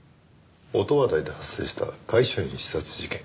音羽台で発生した会社員刺殺事件。